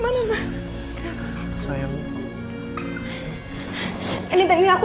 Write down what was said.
kalau kita boardin boundi haro